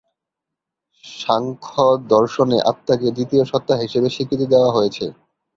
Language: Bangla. সাংখ্য দর্শনে আত্মাকে দ্বিতীয় সত্তা হিসেবে স্বীকৃতি দেওয়া হয়েছে।